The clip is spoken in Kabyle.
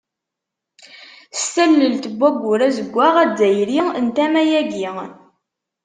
S tallelt n Waggur azeggaɣ azzayri n tama-agi.